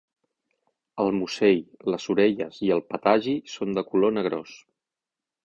El musell, les orelles i el patagi són de color negrós.